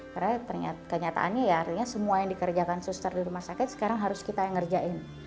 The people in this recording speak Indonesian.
karena kenyataannya ya artinya semua yang dikerjakan suster di rumah sakit sekarang harus kita yang ngerjain